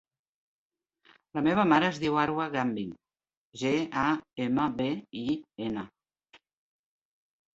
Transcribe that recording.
La meva mare es diu Arwa Gambin: ge, a, ema, be, i, ena.